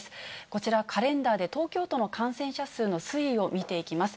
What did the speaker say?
こちら、カレンダーで東京都の感染者数の推移を見ていきます。